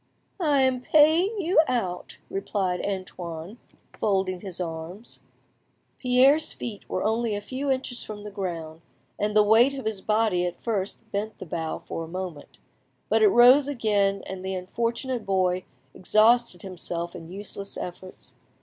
"I am paying you out;" replied Antoine, folding his arms. Pierre's feet were only a few inches from the ground, and the weight of his body at first bent the bough for a moment; but it rose again, and the unfortunate boy exhausted himself in useless efforts.